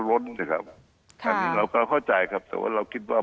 ล้นสิครับอันนี้เราก็เข้าใจครับแต่ว่าเราคิดว่า